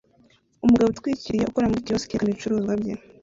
Umugabo utwikiriye ukora muri kiyosiki yerekana ibicuruzwa bye